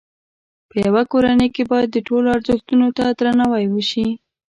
په یوه کورنۍ کې باید د ټولو ازرښتونو ته درناوی وشي.